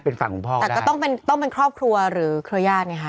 เป็นฝั่งคุณพ่อแต่ก็ต้องเป็นต้องเป็นครอบครัวหรือเครือญาติไงคะ